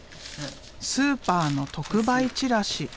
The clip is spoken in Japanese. スーパーの特売チラシ。